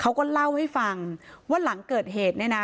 เขาก็เล่าให้ฟังว่าหลังเกิดเหตุเนี่ยนะ